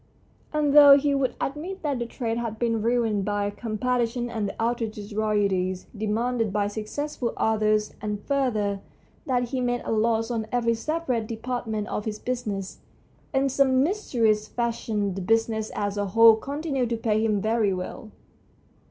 And though he would admit that the trade had been ruined by competition and the outrageous royalties demanded by successful authors, and, further, that he made a loss on every separate depart ment of his business, in some mysterious fashion the business as a whole continued to pay him very well.